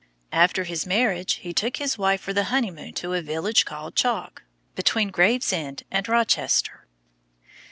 After his marriage he took his wife for the honeymoon to a village called Chalk, between Gravesend and Rochester.